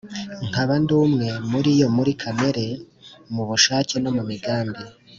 , nkaba ndi umwe na Yo muri kamere, mu bushake, no mu migambi.